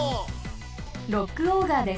ロックオーガーです。